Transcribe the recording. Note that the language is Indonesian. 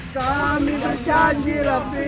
kami berjanji lampir